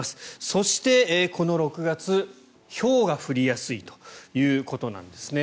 そして、この６月ひょうが降りやすいということなんですね。